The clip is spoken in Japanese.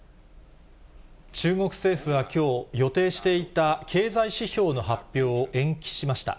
中国政府はきょう、予定していた経済指標の発表を延期しました。